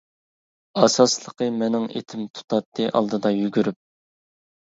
ئاساسلىقى مىنىڭ ئىتىم تۇتاتتى ئالدىدا يۈگۈرۈپ.